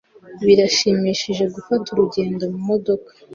Birashimishije gufata urugendo mumodoka.